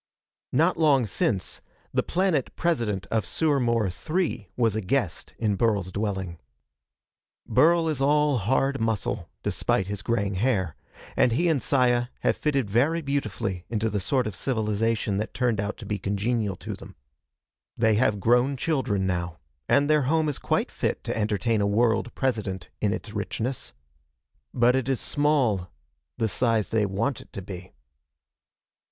Not long since, the Planet President of Surmor III was a guest in Burl's dwelling. Burl is all hard muscle, despite his graying hair, and he and Saya have fitted very beautifully into the sort of civilization that turned out to be congenial to them. They have grown children now, and their home is quite fit to entertain a World President in its richness. But it is small the size they want it to be.